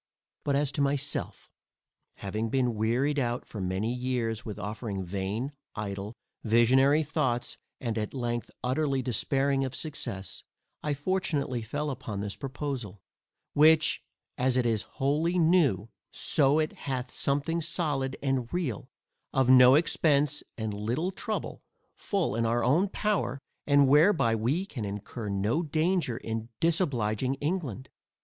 But, as to myself, having been wearied out for many years with offering vain, idle, visionary thoughts, and at length utterly despairing of success, I fortunately fell upon this proposal, which, as it is wholly new, so it hath something solid and real, of no expence and little trouble, full in our own power, and whereby we can incur no danger in disobliging England.